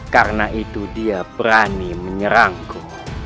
karena itu dia berani menyerangku